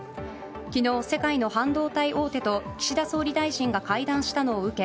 昨日、世界の半導体大手と岸田総理大臣が会談したのを受け